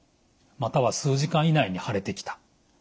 または数時間以内に腫れてきた。